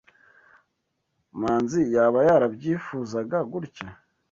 Manzi yaba yarabyifuzaga gutya.